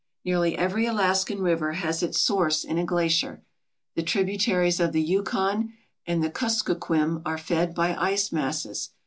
Nearly every Alaskan river has its source in a glacier. The tributaries of the Yukon and Kuskokwim are fed by ice masses.